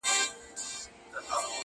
دعوه ګیر وي ور سره ډېري پیسې وي,